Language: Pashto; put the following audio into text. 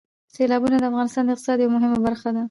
سیلابونه د افغانستان د اقتصاد یوه مهمه برخه ده.